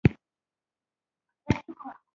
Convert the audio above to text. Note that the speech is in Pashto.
د پوسټرونو پیام خلکو ته په کومه طریقه لیږدوي؟